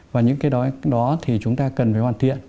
và những cái đó thì chúng ta cần phải hoàn thiện